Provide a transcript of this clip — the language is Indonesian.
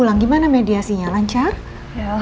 aku gak akan sentuh